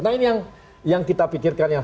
nah ini yang kita pikirkan yang